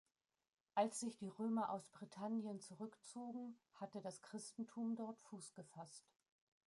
Als sich die Römer aus Britannien zurückzogen, hatte das Christentum dort Fuß gefasst.